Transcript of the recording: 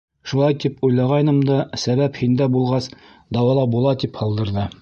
— Шулай тип уйлағайным да, сәбәп һиндә булғас, дауалап була, -тип һалдырҙы.